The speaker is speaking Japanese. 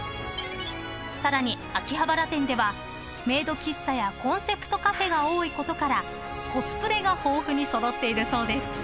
［さらに秋葉原店ではメイド喫茶やコンセプトカフェが多いことからコスプレが豊富に揃っているそうです］